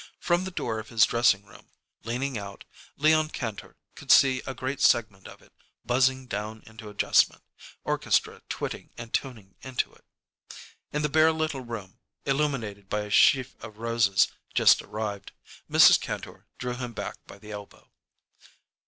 From the door of his dressing room, leaning out, Leon Kantor could see a great segment of it, buzzing down into adjustment, orchestra twitting and tuning into it. In the bare little room, illuminated by a sheaf of roses, just arrived, Mrs. Kantor drew him back by the elbow.